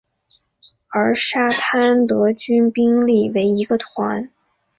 而海滩德军兵力为一个团。